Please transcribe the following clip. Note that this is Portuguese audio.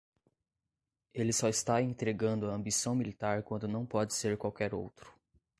Ele só está entregando a ambição militar quando não pode ser qualquer outro.